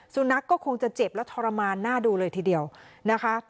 สุนัขก็คงจะเจ็บและทรมานน่าดูเลยทีเดียวนะคะ